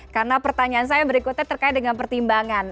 karena pertanyaan saya berikutnya terkait dengan pertimbangan